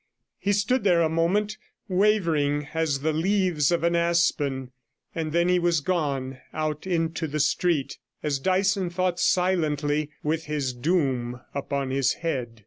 He stood there a moment, wavering as the leaves of an aspen, and then he was gone out into the street, as Dyson thought silently, with his doom upon his head.